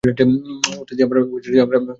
ওটা দিয়ে আমার পরচুলা ছিঁড়ে নিয়েছিল।